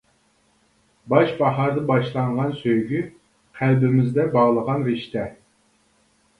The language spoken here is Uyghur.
باش باھاردا باشلانغان سۆيگۈ، قەلبىمىزدە باغلىغان رىشتە، !